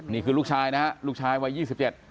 นี่คือลูกชายนะครับลูกชายวัย๒๗ปี